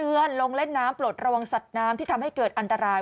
เตือนลงเล่นน้ำปลดระวังสัตว์น้ำที่ทำให้เกิดอันตราย